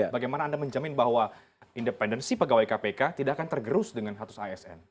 bagaimana anda menjamin bahwa independensi pegawai kpk tidak akan tergerus dengan status asn